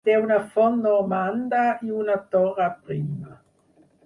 Té una font normanda i una torre prima.